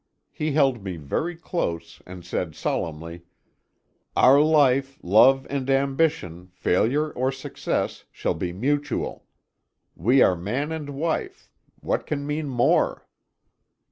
He held me very close and said solemnly: "Our life, love and ambition, failure or success, shall be mutual. We are man and wife what can mean more?"